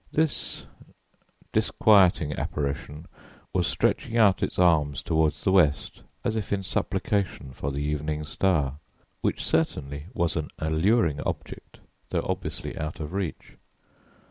This disquieting apparition was stretching out its arms toward the west, as if in supplication for the evening star, which, certainly, was an alluring object, though obviously out of reach.